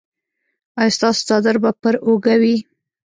ایا ستاسو څادر به پر اوږه وي؟